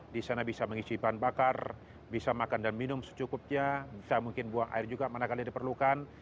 di sana bisa mengisi bahan bakar bisa makan dan minum secukupnya bisa mungkin buang air juga mana kali diperlukan